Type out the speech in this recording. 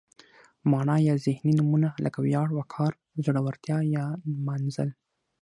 معنا یا ذهني نومونه لکه ویاړ، وقار، زړورتیا یا نمانځل.